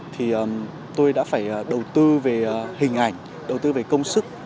thì tôi đã phải đầu tư về hình ảnh đầu tư về công sức